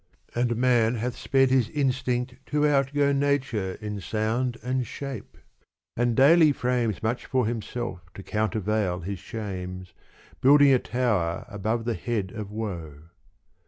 And man hath sped his instinct to outgo Nature in sound and shape, and daily frames Much for himself to countervail his shames, Building a tower above the head of woe.